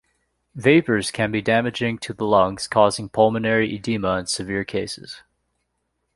Vapors can be damaging to the lungs, causing pulmonary edema in severe cases.